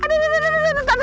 aduh aduh aduh sakit aduh